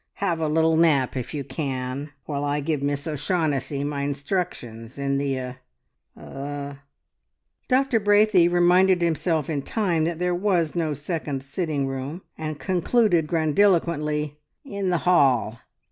Have a little nap if you can, while I give Miss O'Shaughnessy my instructions in the er er " Doctor Braithey reminded himself in time that there was no second sitting room, and concluded grandiloquently "in the hall!"